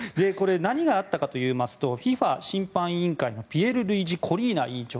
何があったかといいますとＦＩＦＡ審判委員会のピエルルイジ・コリーナ委員長。